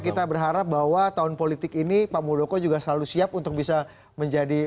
kita berharap bahwa tahun politik ini pak muldoko juga selalu siap untuk bisa menjadi